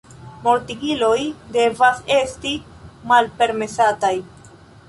Mortigiloj devas esti malpermesataj.